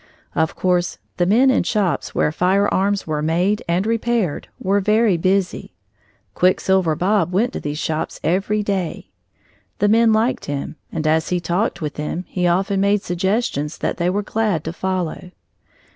Of course, the men in shops where firearms were made and repaired were very busy. "Quicksilver Bob" went to these shops every day. The men liked him, and as he talked with them, he often made suggestions that they were glad to follow.